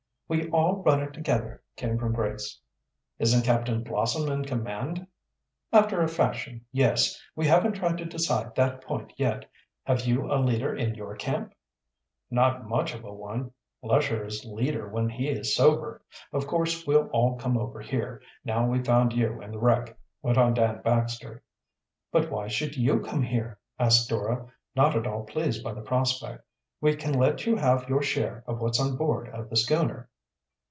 "We all run it together," came from Grace. "Isn't Captain Blossom, in command?" "After a fashion, yes. We haven't tried to decide that point yet. Have you a leader in your camp?" "Not much of a one. Lesher is leader when he is sober. Of course we'll all come over here, now we've found you and the wreck," went on Dan Baxter. "But why should you come here?" asked Dora, not at all pleased by the prospect. "We can let you have your share of what's on board of the schooner."